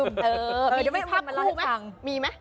มีภาพคู่ไหมมีไหม